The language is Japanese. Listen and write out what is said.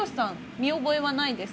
見覚えはないですか？